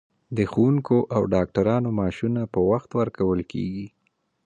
د ښوونکو او ډاکټرانو معاشونه په وخت ورکول کیږي.